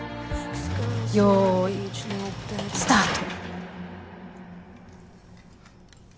よいスタート！